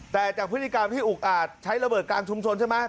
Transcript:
แต่จากพฤติกรรมที่อุกอาจใช้ระเบิดกลางชุมชนใช่ไหม